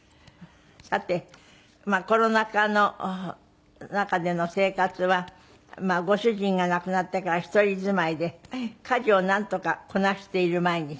さてコロナ禍の中での生活はまあご主人が亡くなってから１人住まいで家事をなんとかこなしている毎日。